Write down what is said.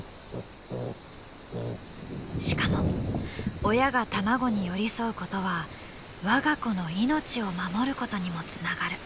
しかも親が卵に寄り添うことは我が子の命を守ることにもつながる。